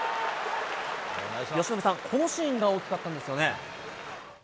由伸さん、このシーンが大きかったんですよね。